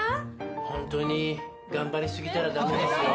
ホントに頑張り過ぎたらダメですよ。